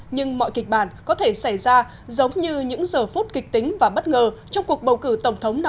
nhưng mọi kịch bản có thể xảy ra giống như những giờ phút kịch tính và bất ngờ trong cuộc bầu cử tổng thống năm hai nghìn một mươi